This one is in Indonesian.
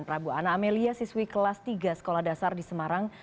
prabu ana amelia siswi kelas tiga sekolah dasar di semarang